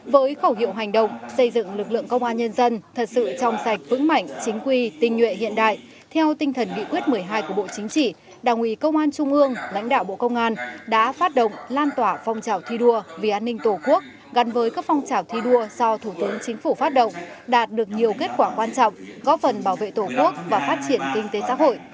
với khẩu hiệu hành động xây dựng lực lượng công an nhân dân thật sự trong sạch vững mảnh chính quy tinh nhuệ hiện đại theo tinh thần nghị quyết một mươi hai của bộ chính trị đảng ủy công an trung ương lãnh đạo bộ công an đã phát động lan tỏa phong trào thi đua vì an ninh tổ quốc gắn với các phong trào thi đua do thủ tướng chính phủ phát động đạt được nhiều kết quả quan trọng góp phần bảo vệ tổ quốc và phát triển kinh tế xã hội